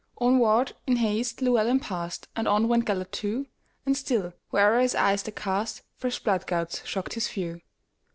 Onward, in haste, Llewelyn passed, And on went Gêlert too; And still, where'er his eyes he cast, Fresh blood gouts shocked his view.